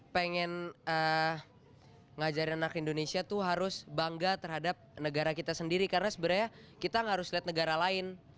pengen ngajarin anak indonesia tuh harus bangga terhadap negara kita sendiri karena sebenarnya kita harus lihat negara lain